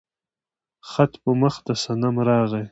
خط په مخ د صنم راغى